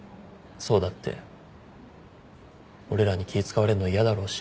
想だって俺らに気使われるの嫌だろうし。